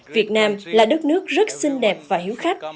việt nam là đất nước rất xinh đẹp và hiếu khách